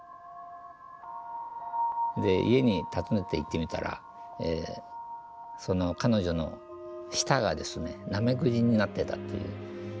で家に訪ねていってみたらその彼女の舌がですねナメクジになってたという。